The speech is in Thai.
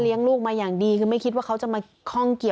เลี้ยงลูกอย่างนี้หนูไม่ใช่ว่าเลี้ยงลูกนี้